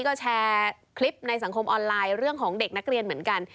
ก็แชร์คลิปในสังคมออนไลน์เรื่องของเด็กนักเรียนเหมือนกัน